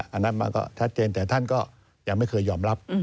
อันนั้นมันก็ชัดเจนแต่ท่านก็ยังไม่เคยยอมรับ